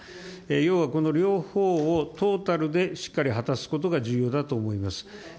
要は、この両方をトータルでしっかり果たすことが重要だと思うんです。